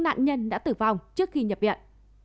nguyễn kim trung thái đã tử vong trước khi nhập viện